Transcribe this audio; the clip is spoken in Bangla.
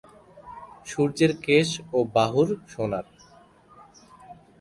সূর্যের কেশ ও বাহুর সোনার।